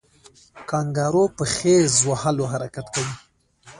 کانګارو په خیز وهلو حرکت کوي